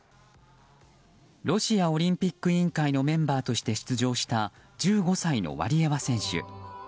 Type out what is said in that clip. ロシアオリンピック委員会のメンバーとして出場した１５歳のワリエワ選手。